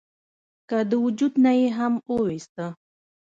کۀ د وجود نه ئې هم اوويستۀ ؟